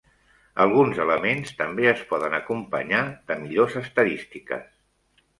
Alguns elements també es poden acompanyar de millors estadístiques.